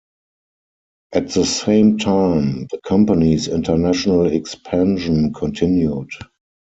At the same time, the company's international expansion continued.